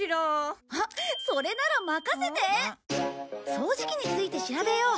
掃除機について調べよう！